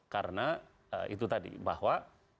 karena itu tadi bahwa